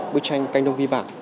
bức tranh canh đông vi vạn